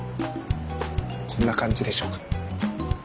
こんな感じでしょうか？